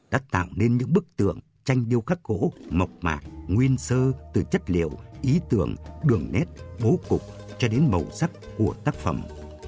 đã tạo nên những bức tượng tranh điêu khắc gỗ mộc mạc nguyên sơ từ chất liệu ý tưởng đường nét bố cục cho đến màu sắc của tác phẩm